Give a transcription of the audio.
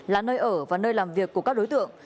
là nơi ở và nơi làm việc của các đối tượng